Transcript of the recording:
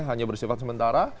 hanya bersifat sementara